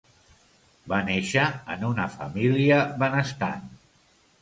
Va néixer en una família benestant.